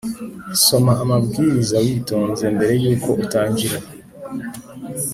soma amabwiriza witonze mbere yuko utangira.